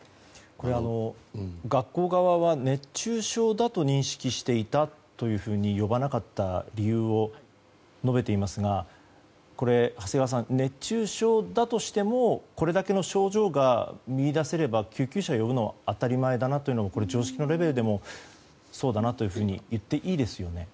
学校側は熱中症だと認識していたというふうに呼ばなかった理由を述べていますが長谷川さん、熱中症だとしてもこれだけの症状が見出せれば救急車を呼ぶのは当たり前だなというのは常識のレベルでもそうだなといっていいですよね？